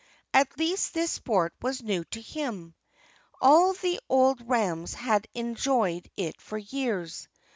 At least this sport was new to him. All the old rams had enjoyed it for years.